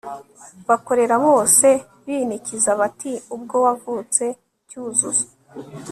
bakorera bose binikiza bati ubwo wavutse cyuzuzo